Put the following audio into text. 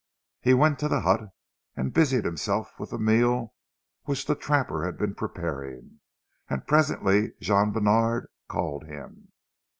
He went to the hut, and busied himself with the meal which the trapper had been preparing, and presently Jean Bènard called him.